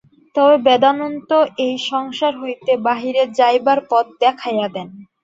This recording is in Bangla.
তবে বেদান্ত এই সংসার হইতে বাহিরে যাইবার পথ দেখাইয়া দেন।